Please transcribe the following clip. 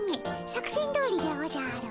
作戦どおりでおじゃる。